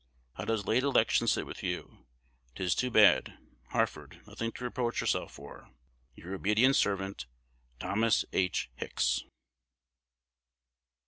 How does late election sit with you? 'Tis too bad. Harford, nothing to reproach herself for. Your obedient servant, Thos. H. Hicks.